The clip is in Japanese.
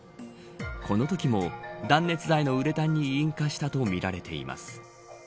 このときも断熱材のウレタンに引火したとみられています。